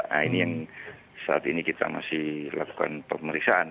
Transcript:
nah ini yang saat ini kita masih lakukan pemeriksaan